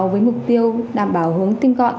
với mục tiêu đảm bảo hướng tinh gọn